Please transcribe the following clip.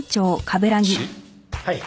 はい。